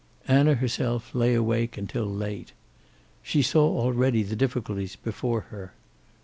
Anna herself lay awake until late. She saw already the difficulties before her.